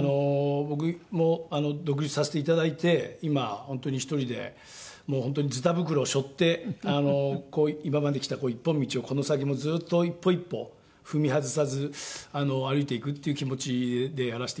僕も独立させていただいて今本当に１人でもう本当にずだ袋を背負って今まで来た一本道をこの先もずっと一歩一歩踏み外さず歩いていくっていう気持ちでやらせていただいてますので。